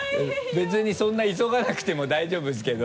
別にそんな急がなくても大丈夫ですけど。